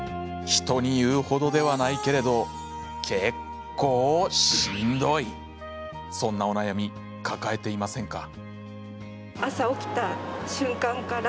人に言うほどではないけれど、結構しんどいそんなお悩み抱えていませんか？